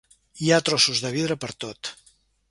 Hi ha trossos de vidre pertot.